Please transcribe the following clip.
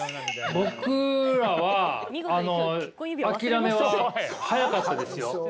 僕らは諦めは早かったですよ。